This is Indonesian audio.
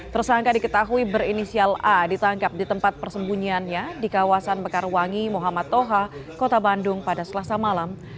tersangka diketahui berinisial a ditangkap di tempat persembunyiannya di kawasan mekarwangi muhammad toha kota bandung pada selasa malam